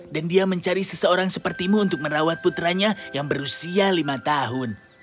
dan dia mencari seseorang sepertimu untuk merawat putranya yang berusia lima tahun